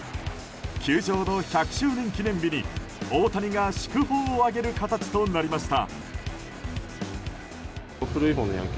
球場の１００周年記念日に大谷が祝砲を挙げる形となりました。